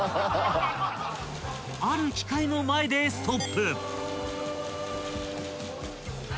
［ある機械の前でストップ］